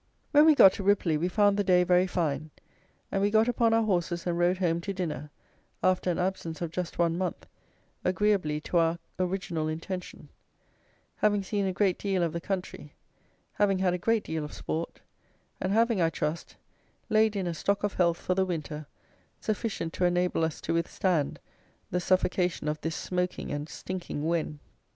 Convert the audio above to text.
When we got to Ripley, we found the day very fine, and we got upon our horses and rode home to dinner, after an absence of just one month, agreeably to our original intention, having seen a great deal of the country, having had a great deal of sport, and having, I trust, laid in a stock of health for the winter, sufficient to enable us to withstand the suffocation of this smoking and stinking Wen.